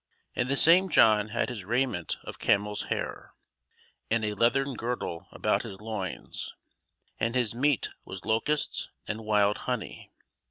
And the same John had his raiment of camel's hair, and a leathern girdle about his loins; and his meat was locusts and wild honey.